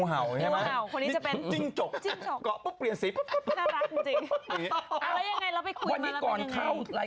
เอางี้ดีกว่า